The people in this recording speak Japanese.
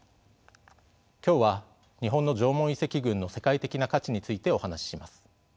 今日は日本の縄文遺跡群の世界的な価値についてお話しします。